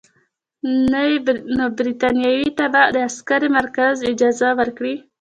نو برټانیې ته به د عسکري مرکز اجازه ورکړي.